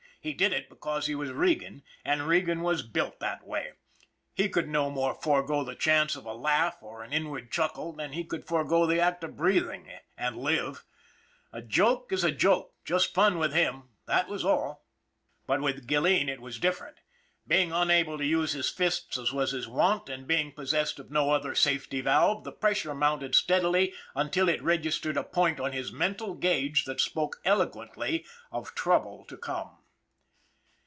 He did it because he was Regan, and Regan was built that way. He could no more forego the chance of a laugh or an inward chuckle than he could forego the act of breathing and live. A joke was a joke, just fun with him, that was all. 1 88 ON THE IRON AT BIG CLOUD But with Gilleen it was different. Being unable to use his fists as was his wont, and being possessed of no other safety valve, the pressure mounted steadily until it registered a point on his mental gauge that spoke eloquently of trouble to come.